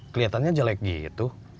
kelihatannya jelek gitu